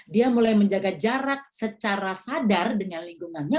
dia mulai menjaga jarak secara sadar dengan lingkungannya